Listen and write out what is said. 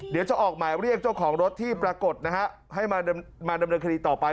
เดี๋ยวจะออกหมายเรียกเจ้าของรถที่ปรากฏนะฮะให้มาดำเนินคดีต่อไป